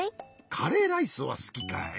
カレーライスはすきかい？